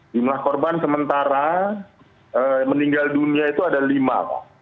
jumlah korban sementara meninggal dunia itu ada lima